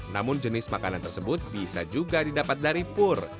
namun jenis makanan tersebut bisa juga didapat dari pur